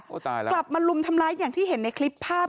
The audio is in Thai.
ตายแล้วกลับมาลุมทำร้ายอย่างที่เห็นในคลิปภาพ